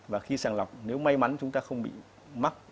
và khi sàng lọc nếu may mắn chúng ta không bị mắc